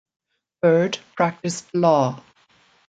Bird practiced law.